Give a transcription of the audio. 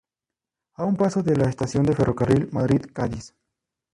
A un paso de la estación de ferrocarril Madrid-Cádiz.